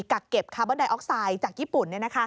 กักเก็บคาร์บอนไดออกไซด์จากญี่ปุ่น